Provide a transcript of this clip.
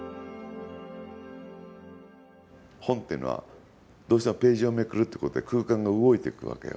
本っていうのはどうしてもページをめくるってことで空間が動いていくわけよ。